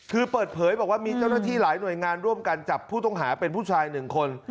คือเปิดเผยบอกว่ามีเจ้าหน้าที่หลายหน่วยงานร่วมกันจับผู้ต้องหาเป็นผู้ชายหนึ่งคน